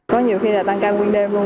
có nhiều khi là tăng cao nguyên đề luôn